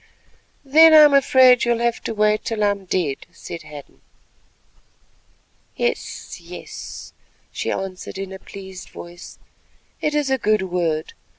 "Then I am afraid you will have to wait till I am dead," said Hadden. "Yes, yes," she answered in a pleased voice, "it is a good word.